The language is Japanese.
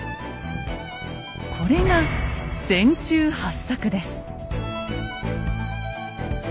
これが「船中八策」です。